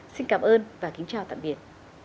xin cảm ơn và kính chào tạm biệt